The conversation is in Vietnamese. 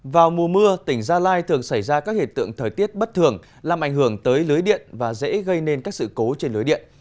vào mùa mưa tỉnh gia lai thường xảy ra các hiện tượng thời tiết bất thường làm ảnh hưởng tới lưới điện và dễ gây nên các sự cố trên lưới điện